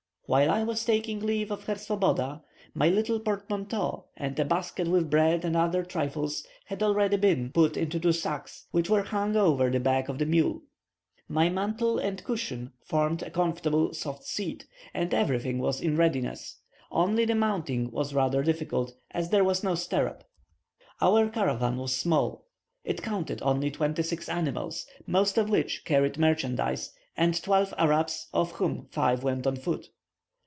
While I was taking leave of Herr Swoboda, my little portmanteau, and a basket with bread and other trifles, had already been put into two sacks, which were hung over the back of the mule. My mantle and cushion formed a comfortable soft seat, and everything was in readiness only the mounting was rather difficult, as there was no stirrup. Our caravan was small. It counted only twenty six animals, most of which carried merchandise, and twelve Arabs, of whom five went on foot.